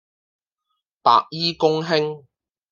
白衣公卿